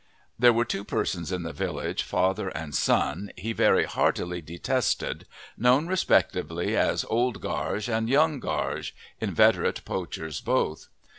There were two persons in the village, father and son, he very heartily detested, known respectively as Old Gaarge and Young Gaarge, inveterate poachers both.